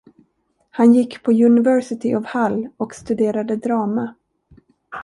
Han gick på University of Hull, och studerade drama.